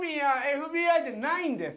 ＦＢＩじゃないんです。